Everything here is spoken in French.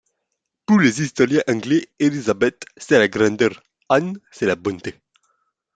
Pour les historiens anglais, Élisabeth, c’est la grandeur, Anne, c’est la bonté.